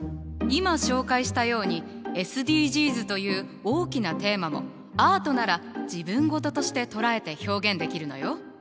今紹介したようにＳＤＧｓという大きなテーマもアートなら自分ごととして捉えて表現できるのよ。